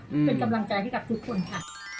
เป็นกำลังใจให้กับทุกคนค่ะ